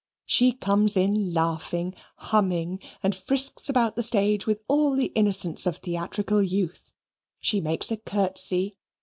She comes in laughing, humming, and frisks about the stage with all the innocence of theatrical youth she makes a curtsey.